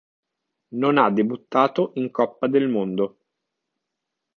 Non ha debuttato in Coppa del Mondo.